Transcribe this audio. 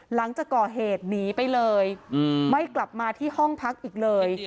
หลังจากก่อเหตุหนีไปเลยไม่กลับมาที่ห้องพักอีกเลย